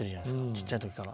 ちっちゃい時から。